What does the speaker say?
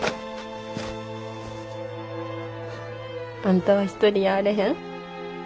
あんたは一人やあれへん。